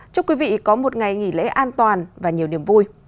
chúc quý vị có một ngày nghỉ lễ an toàn và nhiều niềm vui